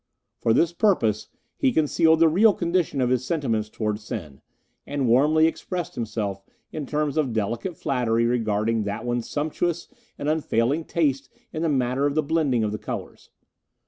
For this purpose he concealed the real condition of his sentiments towards Sen, and warmly expressed himself in terms of delicate flattery regarding that one's sumptuous and unfailing taste in the matter of the blending of the colours.